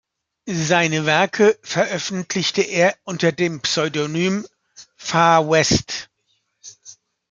Seine Werke veröffentlichte er unter dem Pseudonym "Far West".